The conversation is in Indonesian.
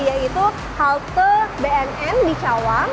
yaitu halte bnn di cawang